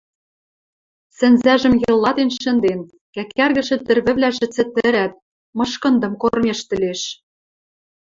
Сӹнзӓжӹм йылатен шӹнден, кӓкӓргӹшӹ тӹрвӹвлӓжӹ цӹтӹрӓт, мышкындым кормежтӹлеш.